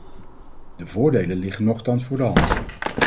De voordelen liggen nochtans voor de hand.